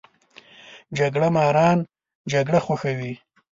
جګړه ماران جګړه خوښوي